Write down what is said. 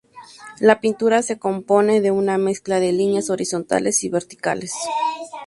La pintura se compone de una mezcla de líneas horizontales y verticales.